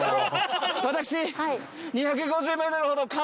私。